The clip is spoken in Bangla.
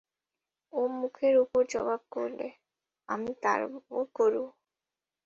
ও মুখের উপর জবাব করলে, আমি তাড়াব গোরু!